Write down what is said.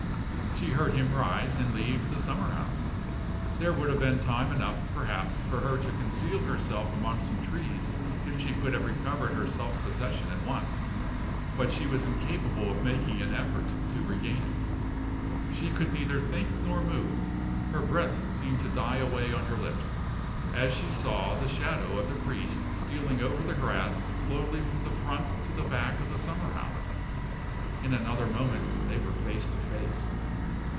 She heard him rise and leave the summer house. There would have been time enough, perhaps, for her to conceal herself among some trees if she could have recovered her self possession at once; but she was incapable of making an effort to regain it. She could neither think nor move her breath seemed to die away on her lips as she saw the shadow of the priest stealing over the grass slowly from the front to the back of the summer house. In another moment they were face to face.